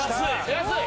安い！